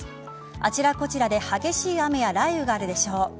あちらこちらで激しい雨や雷雨があるでしょう。